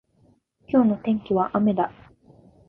今日の天気は雨だ。